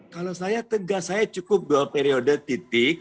kalau saya tegas saya cukup dua periode titik